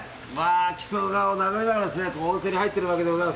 木曽川を眺めながら温泉に入っているわけです。